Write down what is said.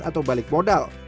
atau balik modal